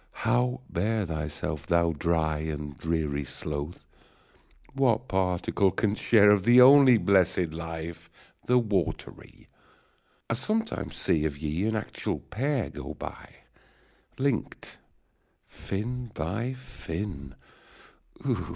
Kow bear thyself, thou dry And dreary sloth ! What particle canst share Of the only blessed life, the watery ? 1 sometimes see of ye an actual pair Go by ! link'd fin by fin